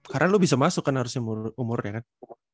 karena lo bisa masuk kan harusnya umurnya kan